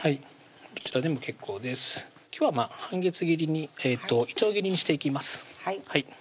どちらでも結構です今日は半月切りにいちょう切りにしていきます